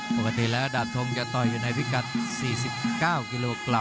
ปกติแล้วดาบทมจะต่อยอยู่ในพิกัด๔๙กิโลกรัม